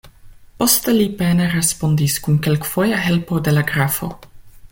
Poste li pene respondis kun kelkfoja helpo de la grafo.